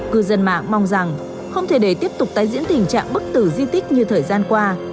cư dân mạng mong rằng không thể để tiếp tục tái diễn tình trạng bức tử di tích như thời gian qua